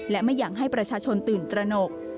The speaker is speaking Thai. และไม่อยากให้ประชาชนตื่นตระหนก